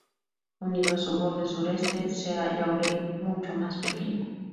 Unido a su borde suroeste se halla Urey, mucho más pequeño.